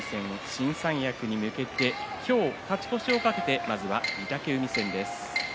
新三役に向けて今日、勝ち越しを懸けてまずは御嶽海戦です。